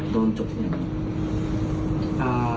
โดนจบทีนี่